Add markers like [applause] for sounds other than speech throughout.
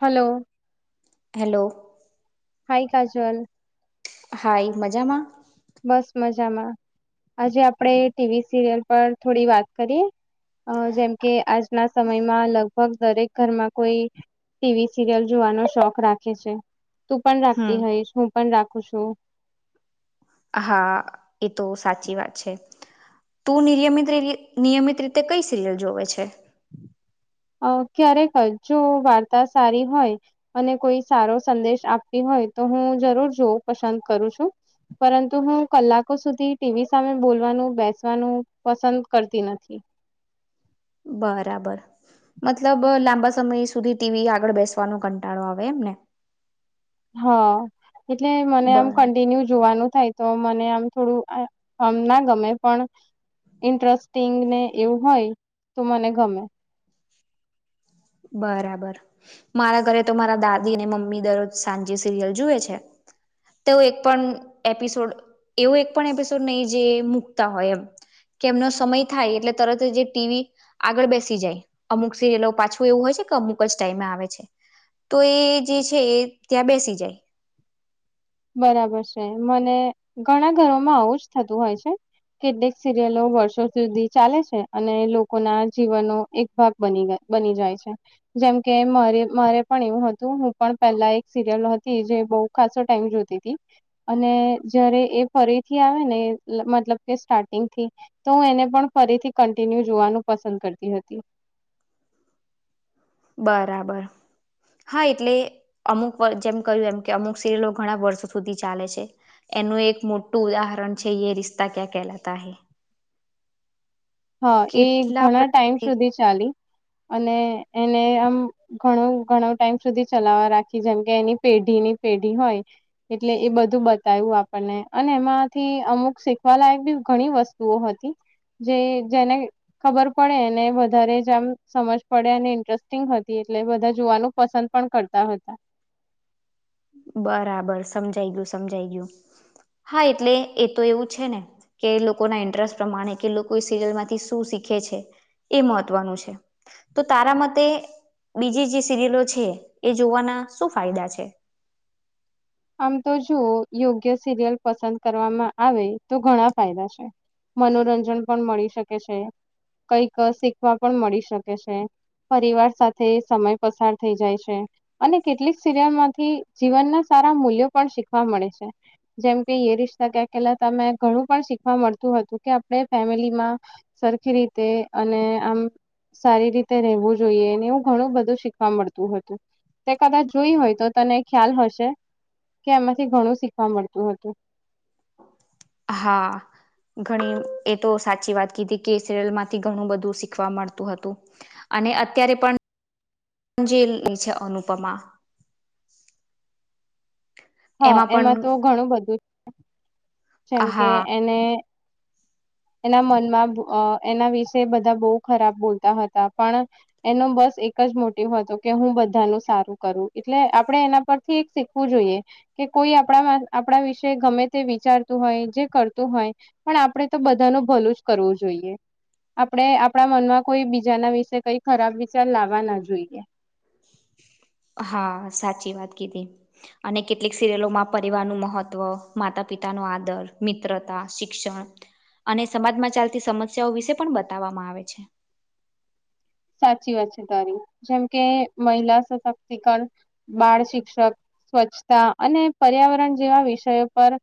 Hello hello hi Kajal hi મજામાં બસ મજામાં આજે આપડે ટીવી સિરિયલ પર થોડી વાત કરીએ અ જેમ કે આજના સમયમાં લગભગ દરેક ઘરમાં કોઈ ટીવી સિરિયલ જોવાનો શોખ રાખે છે તું પણ રાખતી હમ હઈશ હું પણ રાખું છું હા એ તો સાચી વાત છે તું નિયમિત નિયમિત રીતે કઈ સિરિયલ જોવે છે અ ક્યારેક જો વાર્તા સારી હોય અને કોઈ સારો સંદેશ આપતી હોય હો તો હું જરૂર જોઉં પસંદ કરું છું પરંતુ હું કલાકો સુધી ટીવી સામે બોલવાનું બેસવાનું પસંદ કરતી નથી [inaudible] બરાબર મતલબ લાંબા સમય સુધી ટીવી આગળ બેસવાનો કંટાળો આવે એમ ને હા એટલે મને આમ બર કન્ટિન્યુ જોવાનું થાય તો મને આમ થોડું આમ ના ગમે પણ ઇન્ટરેસ્ટિંગ ને એવું હોય તો મને ગમે બરાબર મારા ઘરે તો મારા દાદી અને મમ્મી દરરોજ સાંજે સિરિયલ જુએ છે તે એક પણ એપિસોડ એવો એક પણ એપિસોડ નહી જે મૂકતા હોય એમ કે એમનો સમય થાય એટલે તરત જ ટીવી આગળ બેસી જાય અમુક સિરિયલો પાછ એવું હોય છે કે અમુક જ ટાઈમે આવે છે તો એ જે છે ત્યાં બેસી જાય બરાબર છે મને ઘણા ઘરોમાં આવું જ થતું હોય છે કેટલીક સિરિયલો વર્ષો સુધી ચાલે છે અને લોકો ના જીવનનો એક ભાગ બની ગયા બની જાય છે જેમકે મારે પણ એવું હતું હું પણ પહેલા એક સિરિયલ હતી જે બહ ખાસ [inaudible] ટાઈમ જોતી હતી અને જયારે એ ફરીથી આવે ને મતલબ કે સ્ટાર્ટિંગ થી તો હું એને પણ ફરીથી કન્ટિન્યુ જોવાનું પસંદ કરતી હતી [inaudible] બરાબર હા એટલે અમુક જેમ કહ્યું એમ કે અમુક સિરિયલો ઘણા વર્ષો સુધી ચાલે છે એનું એક મોટું ઉદાહરણ છે યે રિશ્તા ક્યાં કેલાતા હે હા એ ઘણા ટાઈમ વર્ષોથી સુધી ચાલી અને એને આમ ઘણું ઘણો ટાઈમ સુધી ચલાવવા રાખી જેમ કે એની પેઢીની પેઢી હોય એટલે એ બધું બતાવું આપણને અને એમાંથી અમુક શીખવા લાયક બય ઘણી વસ્તુઓ હતી જે જેને ખબર પડે એને વધારે જ આમ સમજ પડે અને ઇન્ટરેસ્ટિંગ હતી એટલે બધા જોવા પસંદ પણ કરતા હતા બરાબર સમજાઈ ગયું સમજાઈ ગયું હા એટલે એ તો એવું છે ને કે લોકો ના ઇન્ટરેસ્ટ પ્રમાણે કે લોકો સિરિયલ માંથી શું શીખ શીખે છે એ મહત્વનું છે તો તારા મતે બીજી જે સિરિલો છે એ જોવાના શું ફાયદા છે આમ તો જો યોગ્ય સિરિયલ પસંદ કરવામાં આવે તો ઘણા ફાયદા છે મનોરંજન પણ મળી શકે છે કઈક શીખવા પણ મળી શકે છે પરિવાર સાથે સમય પસાર થઈ જાય છે અને કેટલીક સિરિયલ માંથી જીવનના સારા મૂલ્યો પણ શીખવા મળે છે જેમ કે યે રિશ્તા ક્યા કહેલાતા તમે ઘણું પણ શીખવા મળતું હતુ કે આપણે ફેમિલીમાં સરખી રીતે અને આમ સારી રીતે રહેવું જોઈએ એવું ઘણું બધું શીખવા મળતું હતું તે કદાચ જોય હોય તો તને ખ્યાલ હશે કે એમાંથી ઘણું શીખવા મળતું હતું હા ઘણી એ તો સાચી વાત કીધી કે સિરિયલ માંથી ઘણું બધું શીખવા મળતું હતું અને અત્યારે પણ અંજલી છે અનુપમા હા એમાં તો ઘણું બધું જેમ કે હા એને એના મનમાં એના વિશે બધા બહુ ખરાબ બોલતા હતા પણ એનો બસ એક મોટીવ હતો કે હું બધાનું સારું કરું એટલે આપણે એના પરથી એક શીખવું જોઈએ કે કોઈ આપણા આપણા વિશે ગમે તે વિચારતું હોય જે કરતું હોય પણ આપડે તો બધા ભલું જ કરવું જોઈએ આપણે આપણા મનમાં કોઈ બીજાના વિશે કઈ ખરાબ વિચાર લાવવા ના જોઈએ હા સાચી વાત કીધી અને કેટલીક સિરિયલો માં પરિવાર નું મહત્વ માતા પિતાનો આદર મિત્રતા શિક્ષણ અને સમાજમાં ચાલતી સમસ્યાઓ વિશે પણ બતાવવામાં આવે છે સાચી વાત છે તારી જેમકે મહિલા સશક્તિકરણ બાળ શિક્ષક સ્વચ્છતા અને પર્યાવરણ જેવા વિષયો પર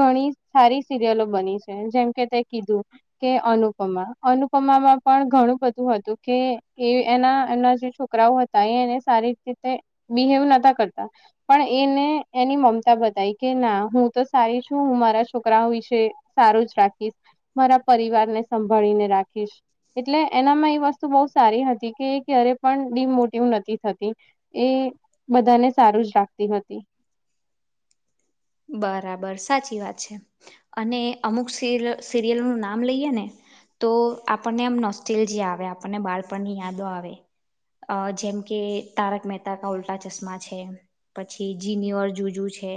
ઘણી સારી સિરિયલો બની છે જેમકે તે કીધું કે અનુપમા અનુપમામાં પણ ઘણું બધું હતું કે એ એના એમના જે છોકરાઓ હતા એ એને સારી રીતે બિહેવ નતા કરતા પણ એને એની મમતા બતાવી કે ના હું તો સારી છું હું મારા છોકરાઓ વિશે સારું જ રાખીશ મારા પરિવારને સંભાળીને રાખીશ એટલે એનામાં એ વસ્તુ બો સારી હતી કે એ ક્યારે પણ ડીમોટિવ નથી થતી એ બધાને સારું ખુશ રાખતી હતી બરાબર સાચી વાત છે અને અમુક સ સિરિયલ નું નામ લઈએ ને તો આપણને એમ નોસ્ટલજી આવે આપણને બાળપણની યાદો આવે અ જેમ કે તારક મહેતા કા ઉલ્ટા ચશ્મા છે પછી જીનઓર જુજુ છે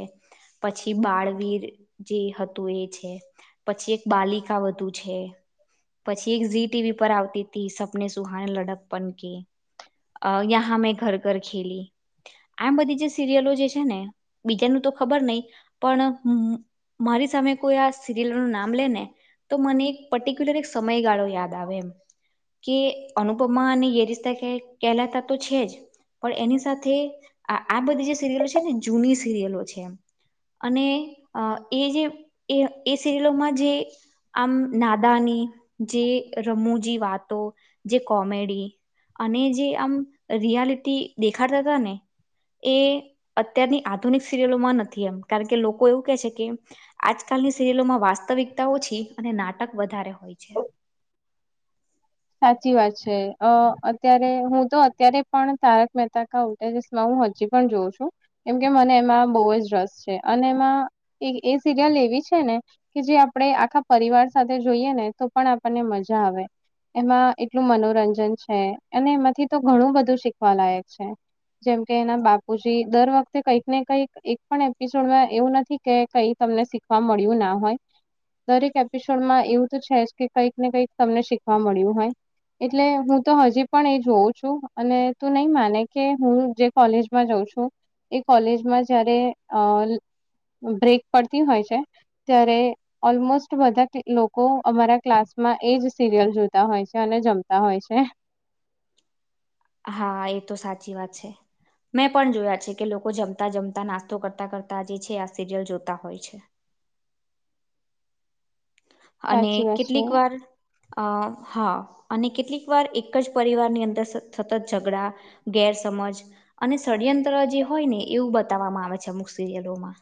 પછી બાળવીર જે હતું એ છે પછી એક બાલિકા વધુ છે પછી એક ઝી ટીવી પર આવતી હતી સપને સુહાની લડક પણ કે યહાં મેં ઘર ઘર ખેલી આમ બધી જે સિરિયલો જે છે ને બીજાનું તો ખબર નહી પણ મારી સામે કોઈ આ સિરિયલ ન નામ લે ને તો મને એક પર્ટિક્યુલર એક સમયગાળો યાદ આવે એમ કે અનુપમા અને યે રિશતા ક્યાં કેહલાતા તો છે જ પણ એની સાથે આ બધી જે સિરિયલો છે ને જૂની સિરિયલો છે અને એ જે એ સિરયલોમાં જે આમ નાદા જે રમૂજી વાતો જે કોમેડી અને જે આમ રિયાલિટી દેખાડતા હતા ને એ અત્યારની આધુનિક સિરિયલોમાં નથી કારણ કે લોકો એવું કે છે કે આજકાલની સિરિલોમાં વાસ્તવિક ઓછી અને નાટક વધારે હોય છે સાચી વાત છે અત્યારે હું તો અત્યારે પણ તારક મહેતા કા ઉલ્ટા ચશ્મા હું હજી પણ જોવ છું કેમ કે મને એમાં બહુ જ રસ છે અને એમાં એ સિરિયલ એવી છે ને કે જે આપણે આખા પરિવાર સાથે જોઈએ ને તો પણ આપણને મજા આવે એમાં એટલું મનોરંજન છે અને એમાંથી તો ઘણું બધું શીખવાલાાયક છે જેમકે એના બાપુજી દર વખતે કંઈક ને કઈક એક પણ એપિસોડમાં એવું નથી કે કઈ તમને શીખવા મળ્યું ના હોય દરેક એપિસોડમાં એવું તો છે કે કંઈક ને કંઈક તમને શીખવા મળ્યું હોય એટલે હું તો હજી પણ એ જોઉં છું અને તું નહી માને કે હું જે કોલેજમાં જઉં એ કોલેજમાં જયારે બ્રેક પડતી હોય છે ત્યારે ઓલમોસ્ટ બધા લોકો અમારા ક્લાસ માં એજ સિરિયલ જોતા હોય છે અને જમતા હોય છે હા એ તો સાચી વાત છે મેં પણ જોયા છે કે લોકો જમતા જમતા નાસ્તો કરતાં કરતા જે છે આ સિરિયલ જોતા હોય છે. અને સાચી વાત છે. કેટલીક વાર અ હા અને કેટલીક વાર એક જ પરિવારની અંદર સતત ઝઘડા ગેરસમજ અને ષડયંત્ર જે હોય ને એવું બતાવવામાં આવે છે અમુક સિરિયલોમાં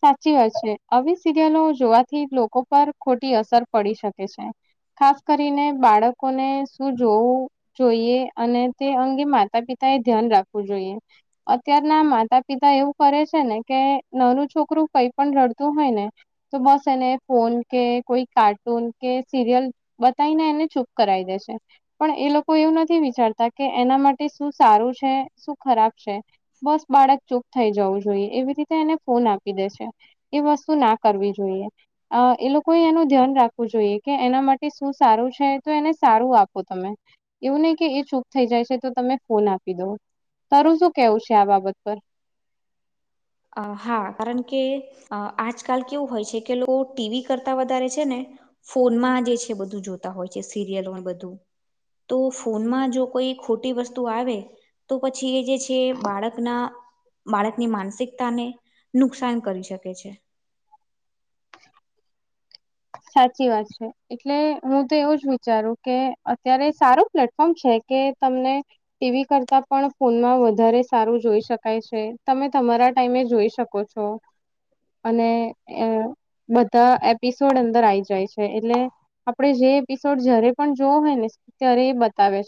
સાચી વાત છે, આવી સિરિયલો જોવાથી લોકો પર ખોટી અસર પડી શકે છે. ખાસ કરીને બાળકોને શું જોવું જોઈએ અને તે અંગે માતા પિતા એ ધ્યાન રાખવું જોઈએ અત્યારના માતા પિતા એવું કરે છે ને કે નાનુ છોક [unintelligible] કાઇ પણ રડતું હોય ને તો બસ એને ફોન કે કોઈ કાર્ટૂન કે સિરયલ બતાઇને એને ચૂપ કરાવી દે છે પણ એ લોકો એવું નથી વિચારતા કે એના માટે શું સારું સારું છે શું ખરાબ છે બસ બાળક ચુપ થઈ જવું જોઈએ એવી રીતે એને ફોન આપ પી દે છે એ વસ્તુ ના કરવી જોઈએ એ લોકોએ એનું ધ્યાન રાખવું જોઈએ કે એનામાં માટે શું સારું છે તો એને સારું આપો તમે એવું નહી કે એ ચૂપ થઈ જાય છે તો તમે ફોન આપી દ તારું શું કેવું છે આ બાબત પર અ હા કારણ કે આજકાલ કેવું હોય છે કે લોકો ટીવી કરતા વધારે છે ને ફોનમાં જે છે બધું જોતા હોય છે સિરિયલ બધું તો ફોનમાં જો કોઈ ખોટી વસ્તુ આવે તો પછી એ જે છે બાળકના બાળકની માનસિક તાને નુકસાન કરી શકે છે સાચી વાત છે એટલે હું તો એવું જ વિચારું કે અત્યારે સારું પ્લેટફોર્મ છે કે તમને ટીવી કરતા પણ ફોનમાં વધારે સારું જોઈ શકાય છે તમે તમારા ટમે જોઈ શકો છો અને બધા એ એડ અંદર આ આવી જાય છે એટલે આપડે જે એપિસોડ જયારે પણ જોવો હોય ને ત્યારે એ બતાવે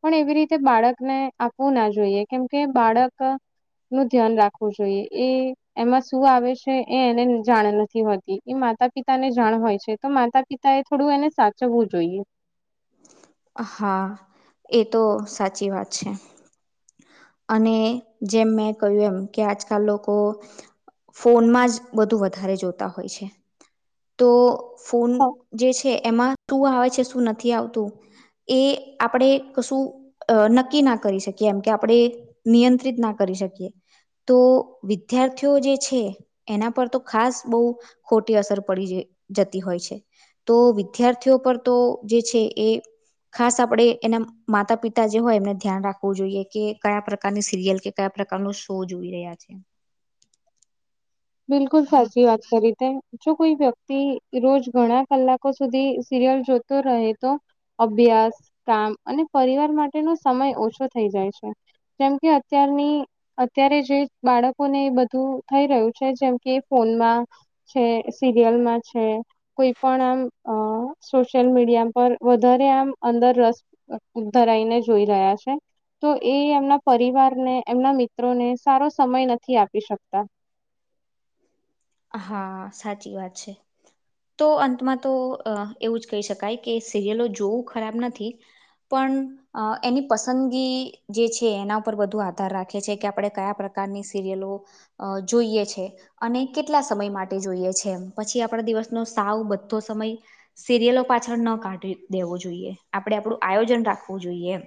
પણ એવી રીતે બાળકને આપવું ના જોઈએ કેમકે બાળક નું ધ્યાન રાખવું જોઈએ એ એમાં શું આવે છે એ એને જાણ નથી હોતી એ માતા પિતા તાને જાણ હોય છે તો માતા પિતા એ થોડું એને સાચવવું જોઈએ. હા એ તો સાચી વાત છે. અને જેમ મેં કહ્યું એમ કે આજકાલ લોકો ફોનમાં જ બધું વધારે જોતા હોય છે. તો ફોન હા જે છે એમાં શું આવે છે શું નથી આવતું એ આપણેે કશું નક્કી ના કરી શકીએ. કેમ કે આપણે નિયંત્રિત ના કરી શકીએ તો વિદ્યાર્થીઓ જે છે એના પર તો ખાસ બહુ ખોટી અસર પ પડી જતી હોય છે તો વિદ્યાર્થીઓ પર તો જે છે એ ખાસ આપડે એના માતા પિતા જે હોય એમને ધ્યાન રાખવું જોઈએ કે કયા પ્રકારની સિરિયલ કે કયા પ્રકારનો શો જોઈ રહ્યા છે. [inaudible] બિલકુલ સાચી વાત કરી ત જો કોઈ વ્યક્તિ રોજ ઘણા કલાકો સુધી સિ રીયલ જોતો રહે તો અભ્યાસ, કામ અને પરિવાર માટેનો સમય ઓછો થઈ જાય જાય છે, જેમ કે અત્યારની અત્યારે જે બાળકોને એ બધું થઈ રહ્યું છે. છે જેમ કે ફોનમાં છે સિરિયલમાં છે કોઈ પણ આમ અ સોશિયલ મીડિયા પર વધારે આમ અંદર રસ ધરાઈને જોઈ રહ્યા છે. તો એ એમના પરિવારને એમના મિત્રોને સારો સમય નથી આપી શકતા. હા, સાચી વાત છે. તો અંતમાં તો અ-એવું જ કહી શકાય કે સિરિયલો જોવું ખરાબ નથી પણ અ-એની પસંદગી જે છે, એના પર બધુ આ ધાર રાખી છે કે આપડે કયા પ્રકારની સિરિયલો અ જોઈએ છે. અને કેટલા સમય માટે જોઈએ છે એમ. પછી આપડા દિવસનો સાવ બધો સમય સિરિયલો પાછળ ના ના કાઢી દેવું જોઈએ. આપડે આપડુ આયોજન રાખવું જોઈએ એમ.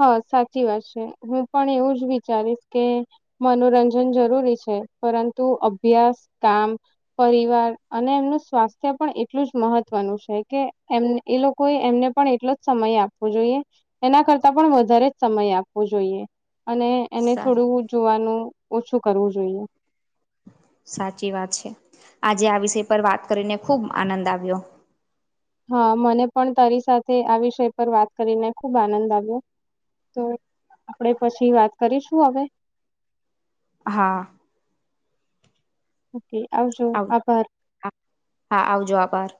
હા, સાચી વાત છે. હું પણ એવું જ વિચારીશ કે મનોરંજન જરૂરી છે છે. પરંતુ અભ્યાસ, કામ, પરિવાર અને એમનું સ્વાસ્થ્ય પણ એટલું જ મહ મહવનું છે કે, એમ એ લોકોએ એમને પણ એટલો જ સમય આપવો જોઈએ. એના કર તા પણ વધારે જ સમય આપવો જોઈએ. અને એને સા થોડું જોવાનું ઓછું કરવું જોઈએ. સાચી વાત છે. આજે આ વિષય પર વાત કરીને ખુબ આનંદ આવ્યો. હા, મને પણ તારી સાથે આ વિષય પર વાત કરીને ખુબ આનંદ આવ્યો. તો આપડે પછી વાત કરીશું હવે? હા. ઓકે, આવજો આવ આભાર. હા આવજો આભાર